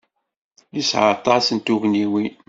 Yesɛa aṭas n tugniwin.